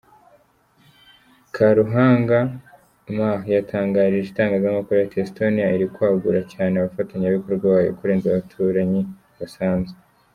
Karuhanga, Humal yatangarije itangazamakuru ati “Estonia iri kwagura cyane abafatanyabikorwa bayo kurenza abaturanyi basanzwe.